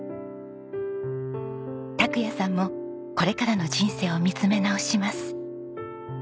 拓也さんもこれからの人生を見つめ直します。